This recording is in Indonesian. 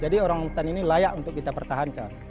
jadi orangutan ini layak untuk kita pertahankan